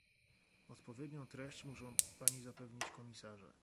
Odpowiednią treść muszą pani zapewnić komisarze